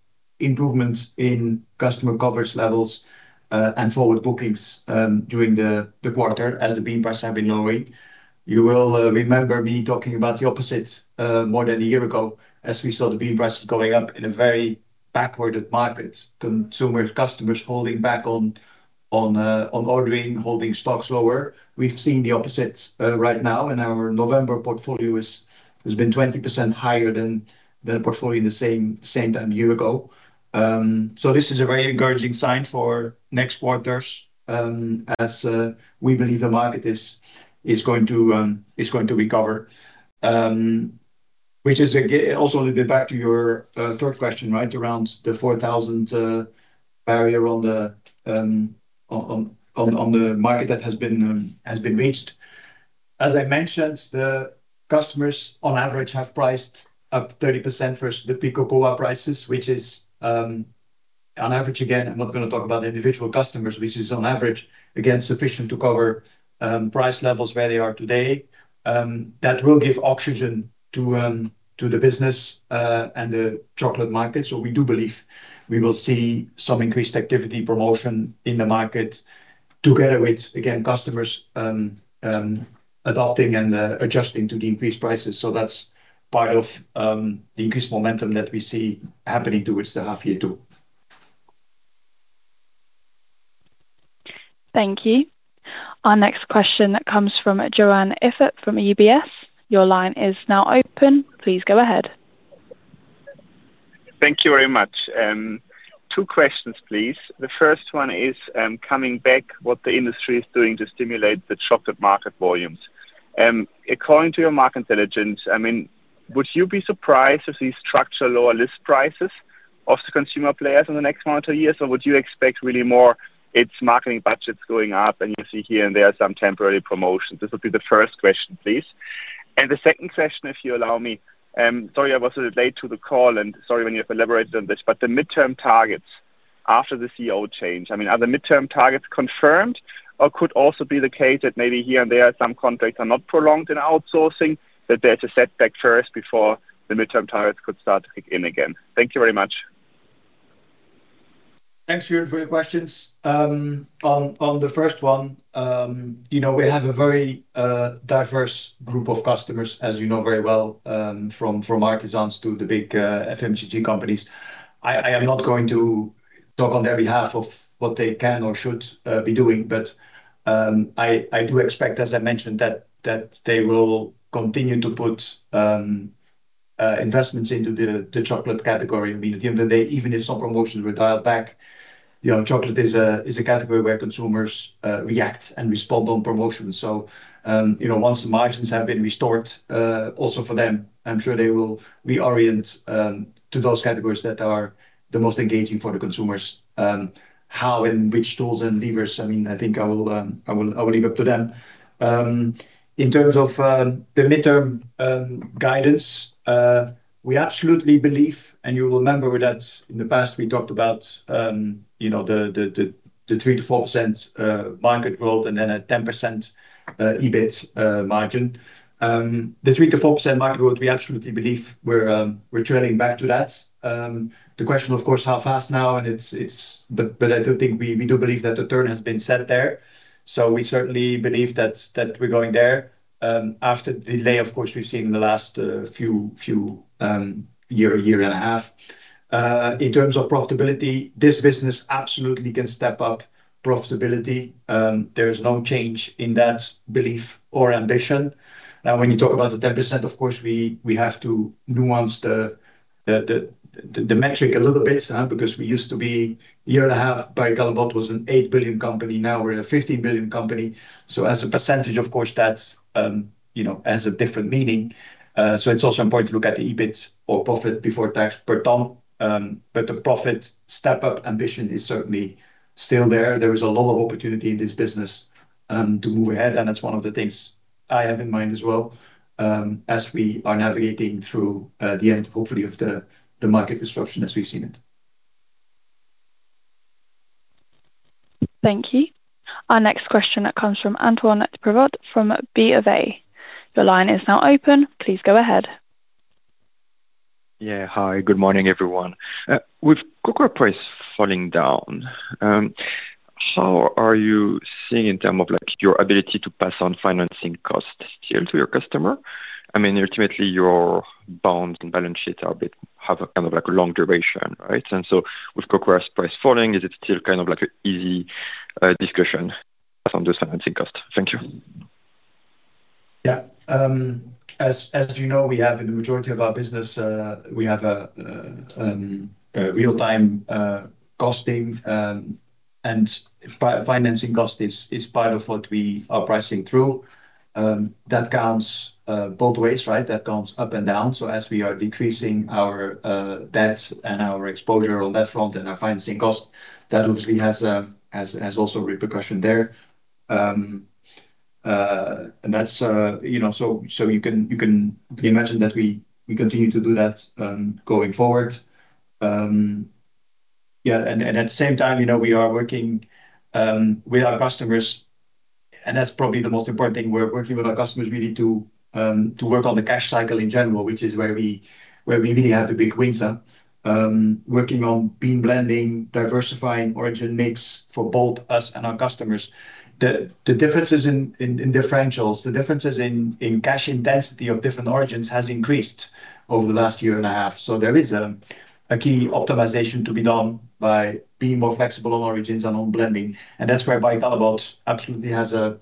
improvement in customer coverage levels and forward bookings during the quarter as the bean price has been lowering. You will remember me talking about the opposite more than a year ago as we saw the bean price going up in a very backwardated market, consumers, customers holding back on ordering, holding stocks lower. We've seen the opposite right now in our November portfolio. It's been 20% higher than the portfolio in the same time a year ago. So this is a very encouraging sign for next quarters as we believe the market is going to recover, which is also a bit back to your third question, right, around the 4,000 barrier on the market that has been reached. As I mentioned, the customers on average have priced up 30% versus the peak cocoa prices, which is on average, again, I'm not going to talk about the individual customers, which is on average, again, sufficient to cover price levels where they are today. That will give oxygen to the business and the chocolate market, so we do believe we will see some increased activity promotion in the market together with, again, customers adopting and adjusting to the increased prices, so that's part of the increased momentum that we see happening towards the half year too. Thank you. Our next question comes from Joern Iffert from UBS. Your line is now open. Please go ahead. Thank you very much. Two questions, please. The first one is coming back, what the industry is doing to stimulate the chocolate market volumes? According to your market intelligence, I mean, would you be surprised if we structure lower list prices of the consumer players in the next one or two years, or would you expect really more its marketing budgets going up and you see here and there some temporary promotions? This would be the first question, please. And the second question, if you allow me, sorry, I was a bit late to the call and sorry when you've elaborated on this, but the midterm targets after the CEO change, I mean, are the midterm targets confirmed or could also be the case that maybe here and there some contracts are not prolonged in outsourcing, that there's a setback first before the midterm targets could start to kick in again? Thank you very much. Thanks, Jürgen, for your questions. On the first one, we have a very diverse group of customers, as you know very well, from artisans to the big FMCG companies. I am not going to talk on their behalf of what they can or should be doing, but I do expect, as I mentioned, that they will continue to put investments into the chocolate category. I mean, at the end of the day, even if some promotions were dialed back, chocolate is a category where consumers react and respond on promotions. So once the margins have been restored also for them, I'm sure they will reorient to those categories that are the most engaging for the consumers. How and which tools and levers, I mean, I think I will leave up to them. In terms of the midterm guidance, we absolutely believe, and you will remember that in the past we talked about the 3%-4% market growth and then a 10% EBIT margin. The 3%-4% market growth, we absolutely believe we're turning back to that. The question, of course, how fast now, but I do think we do believe that the turn has been set there. So we certainly believe that we're going there. After the delay, of course, we've seen in the last few years, year and a half. In terms of profitability, this business absolutely can step up profitability. There is no change in that belief or ambition. Now, when you talk about the 10%, of course, we have to nuance the metric a little bit because we used to be a year and a half, Barry Callebaut was a 8 billion company. Now we're a 15 billion company. So as a percentage, of course, that has a different meaning. So it's also important to look at the EBIT or profit before tax per ton. But the profit step-up ambition is certainly still there. There is a lot of opportunity in this business to move ahead, and that's one of the things I have in mind as well as we are navigating through the end, hopefully, of the market disruption as we've seen it. Thank you. Our next question comes from Antoine Prévot from BofA. Your line is now open. Please go ahead. Yeah. Hi. Good morning, everyone. With cocoa price falling down, how are you seeing in terms of your ability to pass on financing costs still to your customer? I mean, ultimately, your bonds and balance sheet have kind of a long duration, right? And so with cocoa price falling, is it still kind of an easy discussion? Pass on those financing costs. Thank you. Yeah. As you know, we have in the majority of our business, we have a real-time costing, and financing cost is part of what we are pricing through. That counts both ways, right? That counts up and down. So as we are decreasing our debt and our exposure on that front and our financing cost, that obviously has also repercussions there. And that's so you can imagine that we continue to do that going forward. Yeah. And at the same time, we are working with our customers, and that's probably the most important thing. We're working with our customers really to work on the cash cycle in general, which is where we really have the big wins working on bean blending, diversifying origin mix for both us and our customers. The differences in differentials, the differences in cash intensity of different origins has increased over the last year and a half. So there is a key optimization to be done by being more flexible on origins and on blending, and that's where Barry Callebaut absolutely has a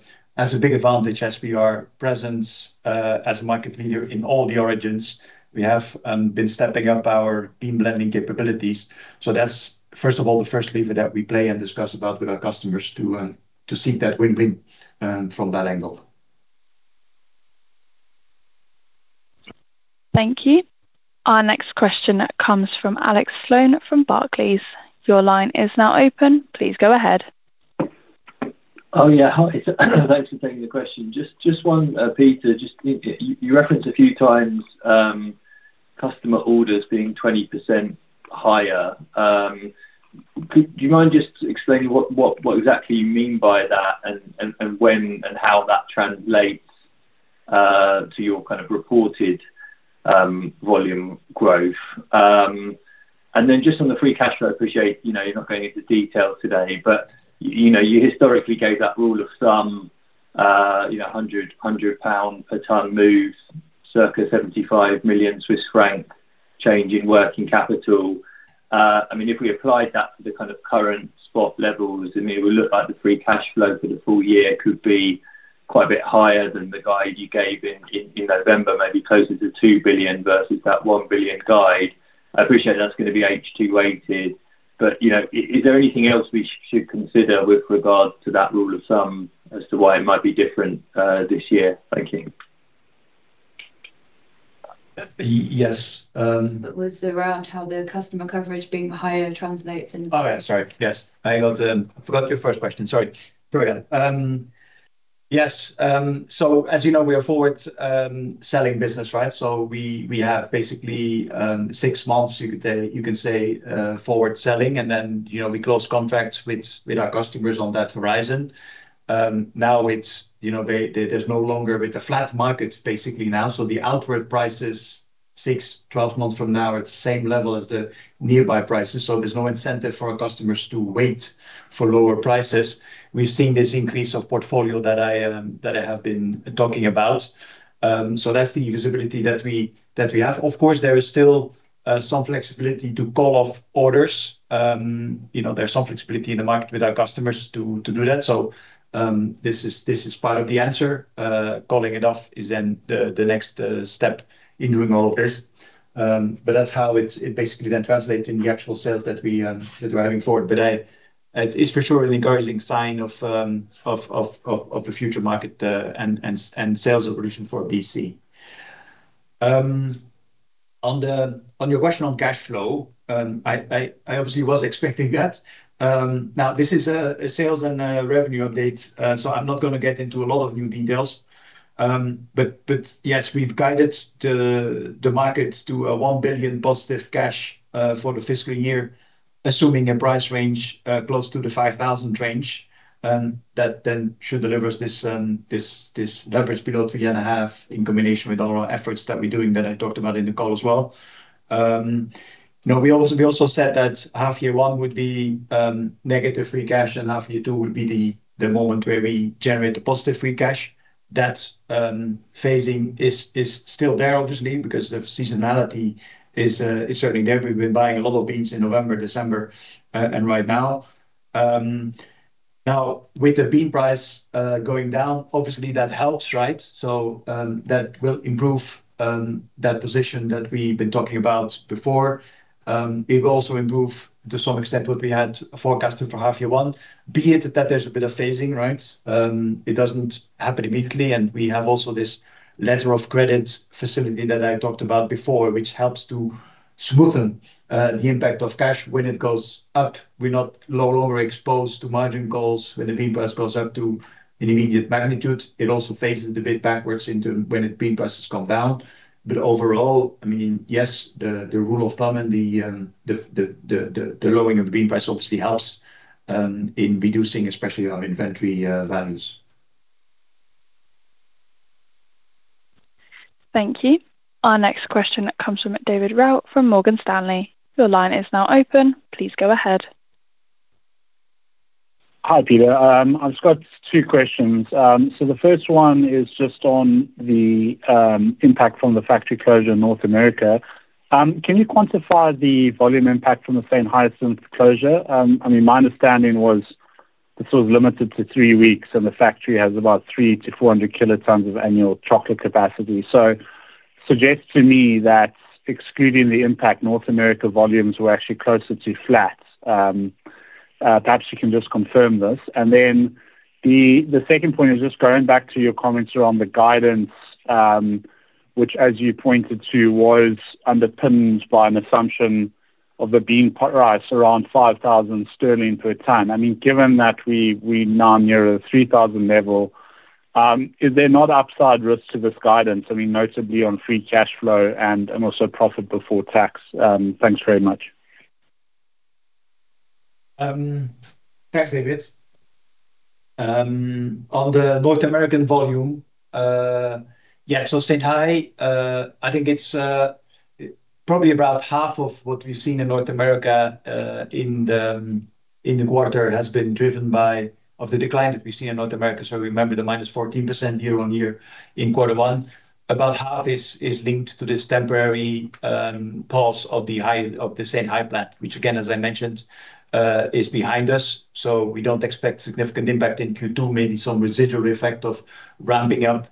big advantage as we are present as a market leader in all the origins. We have been stepping up our bean blending capabilities. So that's, first of all, the first lever that we play and discuss about with our customers to seek that win-win from that angle. Thank you. Our next question comes from Alex Sloane from Barclays. Your line is now open. Please go ahead. Oh, yeah. Thanks for taking the question. Just one, Peter, you referenced a few times customer orders being 20% higher. Do you mind just explaining what exactly you mean by that and when and how that translates to your kind of reported volume growth? And then just on the free cash flow, I appreciate you're not going into detail today, but you historically gave that rule of thumb, 100 per ton moves, circa 75 million Swiss francs change in working capital. I mean, if we applied that to the kind of current spot levels, it would look like the free cash flow for the full year could be quite a bit higher than the guide you gave in November, maybe closer to 2 billion versus that 1 billion guide. I appreciate that's going to be H2 weighted. But is there anything else we should consider with regard to that rule of thumb as to why it might be different this year? Thank you. Yes. It was around how the customer coverage being higher translates in. Oh, yeah. Sorry. Yes. I forgot your first question. Sorry. Yes. So as you know, we are forward-selling business, right? So we have basically six months, you can say, forward-selling, and then we close contracts with our customers on that horizon. Now there's no longer with the flat market basically now. So the forward prices, six, 12 months from now, are at the same level as the nearby prices. So there's no incentive for our customers to wait for lower prices. We've seen this increase of portfolio that I have been talking about. So that's the visibility that we have. Of course, there is still some flexibility to call off orders. There's some flexibility in the market with our customers to do that. So this is part of the answer. Calling it off is then the next step in doing all of this. But that's how it basically then translates in the actual sales that we are having forward. But it is for sure an encouraging sign of the future market and sales evolution for BC. On your question on cash flow, I obviously was expecting that. Now, this is a sales and revenue update, so I'm not going to get into a lot of new details. But yes, we've guided the market to 1 billion positive cash for the fiscal year, assuming a price range close to the 5,000 range that then should deliver us this leverage below 3.5 in combination with all our efforts that we're doing that I talked about in the call as well. We also said that half year one would be negative free cash and half year two would be the moment where we generate the positive free cash. That phasing is still there, obviously, because the seasonality is certainly there. We've been buying a lot of beans in November, December, and right now. Now, with the bean price going down, obviously, that helps, right? So that will improve that position that we've been talking about before. It will also improve to some extent what we had forecasted for half year one, be it that there's a bit of phasing, right? It doesn't happen immediately. And we have also this letter of credit facility that I talked about before, which helps to smoothen the impact of cash when it goes up. We're no longer exposed to margin calls when the bean price goes up to an immediate magnitude. It also phases a bit backwards when the bean prices come down. But overall, I mean, yes, the rule of thumb and the lowering of the bean price obviously helps in reducing especially our inventory values. Thank you. Our next question comes from David Roux from Morgan Stanley. Your line is now open. Please go ahead. Hi, Peter. I've got two questions. So the first one is just on the impact from the factory closure in North America. Can you quantify the volume impact from the Saint-Hyacinthe closure? I mean, my understanding was this was limited to three weeks, and the factory has about 300-400 kilotons of annual chocolate capacity. So suggest to me that excluding the impact, North America volumes were actually closer to flat. Perhaps you can just confirm this. And then the second point is just going back to your comments around the guidance, which, as you pointed to, was underpinned by an assumption of the bean price around 5,000 sterling per ton. I mean, given that we're now near a 3,000 level, is there not upside risk to this guidance? I mean, notably on free cash flow and also profit before tax. Thanks very much. Thanks, David. On the North American volume, yeah, it's still high. I think it's probably about half of what we've seen in North America in the quarter has been driven by the decline that we've seen in North America. So remember the -14% year on year in quarter one. About half is linked to this temporary pause of the Saint-Hyacinthe plant, which, again, as I mentioned, is behind us. So we don't expect significant impact in Q2, maybe some residual effect of ramping up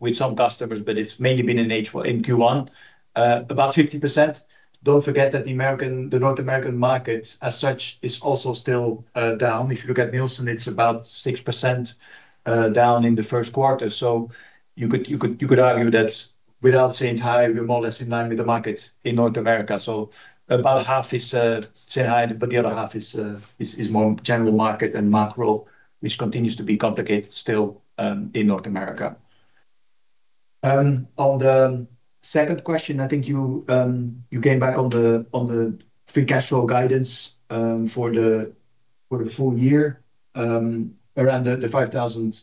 with some customers, but it's mainly been in Q1, about 50%. Don't forget that the North American market as such is also still down. If you look at Nielsen, it's about 6% down in the first quarter. So you could argue that without Saint-Hyacinthe, we're more or less in line with the market in North America. So about half is Saint-Hyacinthe, but the other half is more general market and macro, which continues to be complicated still in North America. On the second question, I think you came back on the free cash flow guidance for the full year around the 5,000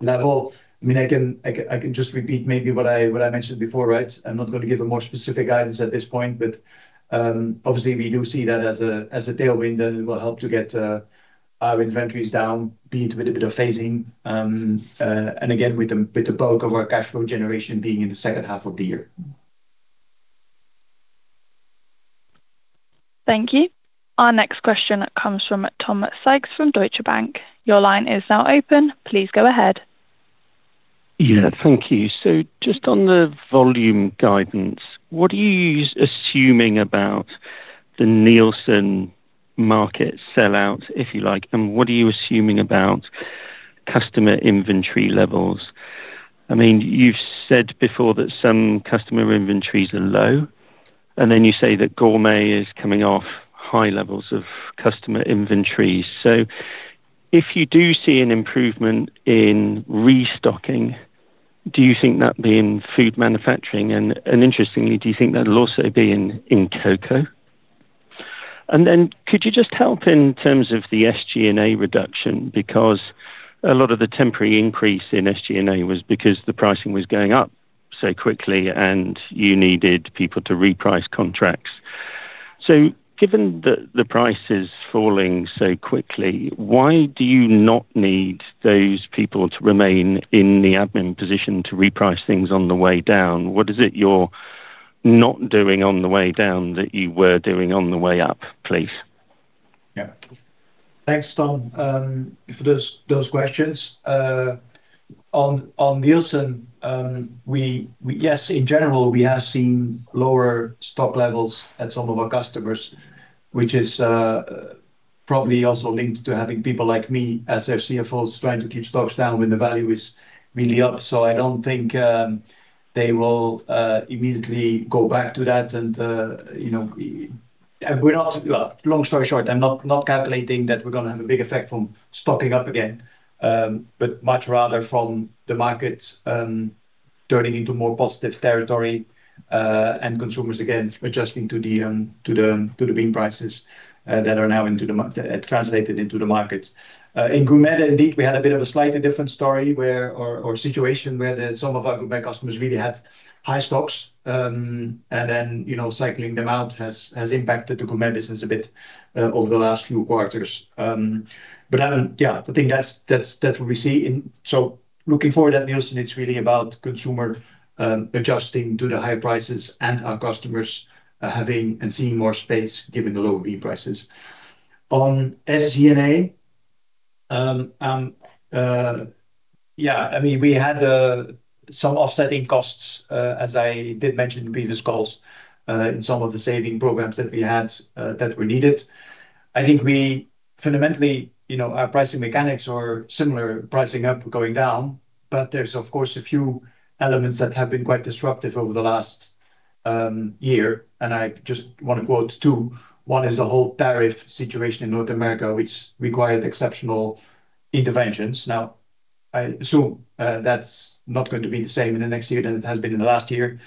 level. I mean, I can just repeat maybe what I mentioned before, right? I'm not going to give a more specific guidance at this point, but obviously, we do see that as a tailwind that will help to get our inventories down, be it with a bit of phasing and again with the bulk of our cash flow generation being in the second half of the year. Thank you. Our next question comes from Tom Sykes from Deutsche Bank. Your line is now open. Please go ahead. Yeah. Thank you. So just on the volume guidance, what are you assuming about the Nielsen market sellout, if you like, and what are you assuming about customer inventory levels? I mean, you've said before that some customer inventories are low, and then you say that Gourmet is coming off high levels of customer inventory. So if you do see an improvement in restocking, do you think that'll be in food manufacturing? Interestingly, do you think that'll also be in cocoa? And then could you just help in terms of the SG&A reduction? Because a lot of the temporary increase in SG&A was because the pricing was going up so quickly, and you needed people to reprice contracts. So given that the price is falling so quickly, why do you not need those people to remain in the admin position to reprice things on the way down? What is it you're not doing on the way down that you were doing on the way up, please? Yeah. Thanks, Tom, for those questions. On Nielsen, yes, in general, we have seen lower stock levels at some of our customers, which is probably also linked to having people like me as their CFOs trying to keep stocks down when the value is really up. So I don't think they will immediately go back to that. And long story short, I'm not calculating that we're going to have a big effect from stocking up again, but much rather from the market turning into more positive territory and consumers, again, adjusting to the bean prices that are now translated into the market. In Gourmet, indeed, we had a bit of a slightly different story or situation where some of our Gourmet customers really had high stocks, and then cycling them out has impacted the Gourmet business a bit over the last few quarters. But yeah, I think that's what we see. So looking forward at Nielsen, it's really about consumer adjusting to the higher prices and our customers having and seeing more space given the lower bean prices. On SG&A, yeah, I mean, we had some offsetting costs, as I did mention in previous calls, in some of the saving programs that we had that were needed. I think fundamentally, our pricing mechanics are similar: pricing up, going down. But there's, of course, a few elements that have been quite disruptive over the last year. And I just want to quote two. One is the whole tariff situation in North America, which required exceptional interventions. Now, I assume that's not going to be the same in the next year than it has been in the last year.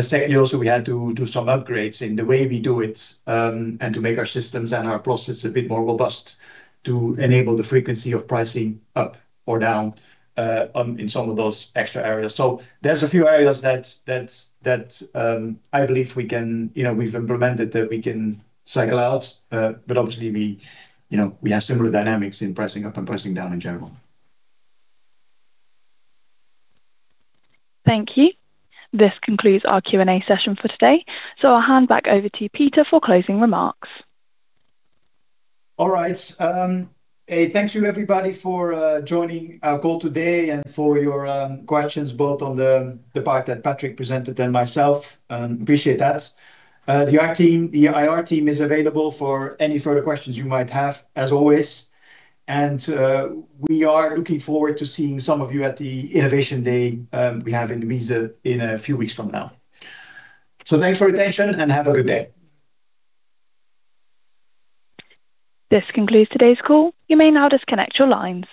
Secondly, also, we had to do some upgrades in the way we do it and to make our systems and our process a bit more robust to enable the frequency of pricing up or down in some of those extra areas. So there's a few areas that I believe we can—we've implemented that we can cycle out. But obviously, we have similar dynamics in pricing up and pricing down in general. Thank you. This concludes our Q&A session for today. So I'll hand back over to Peter for closing remarks. All right. Hey, thanks to everybody for joining our call today and for your questions, both on the part that Patrick presented and myself. Appreciate that. The IR team is available for any further questions you might have, as always. And we are looking forward to seeing some of you at the Innovation Day we have in Wieze in a few weeks from now. So thanks for your attention, and have a good day. This concludes today's call. You may now disconnect your lines.